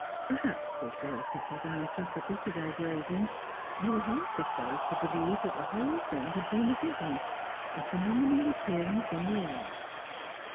Perhaps as they settled down placidly to their grazing, they were half disjwsed to believe that the whole thing had been a vision — a phenomenal appearance in the air.